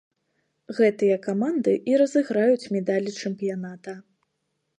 Гэтыя каманды і разыграюць медалі чэмпіяната.